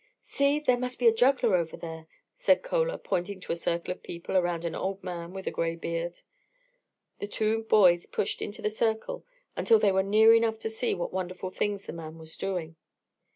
"See! there must be a juggler over there," said Chola, pointing to a circle of people around an old man with a gray beard. The two boys pushed into the circle until they were near enough to see what wonderful things the man was doing.